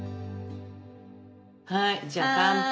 はいじゃあ乾杯。